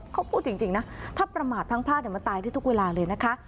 เขาพูดจริงนะถ้าประมาทพลั้งพลาดมาตายได้ทุกเวลาเลยนะคะ